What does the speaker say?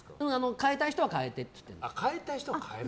変えたい人は変えてって言ってる。